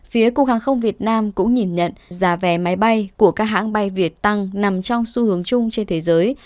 phía cục hàng không việt nam cũng nhìn nhận giá vé máy bay của các hãng bay việt tăng nằm trong xu hướng chung trên thế giới